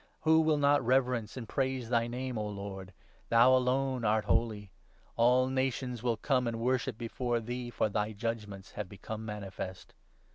Who will not reverence and 4 praise thy Name, O Lord ? Thou alone art holy ! All nations will come and worship before thee, for thy judgements have become manifest.'